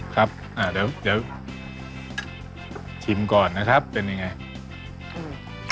ครับอ่าเดี๋ยวเดี๋ยวชิมก่อนนะครับเป็นยังไงถูก